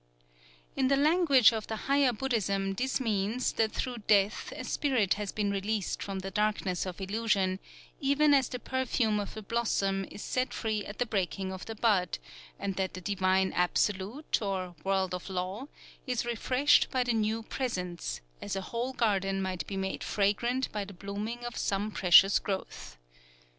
_" In the language of the higher Buddhism, this means that through death a spirit has been released from the darkness of illusion, even as the perfume of a blossom is set free at the breaking of the bud, and that the divine Absolute, or World of Law, is refreshed by the new presence, as a whole garden might be made fragrant by the blooming of some precious growth.